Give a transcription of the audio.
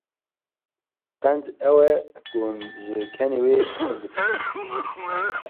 Qenc ew e ku hûn ji kenê wî hez dikin.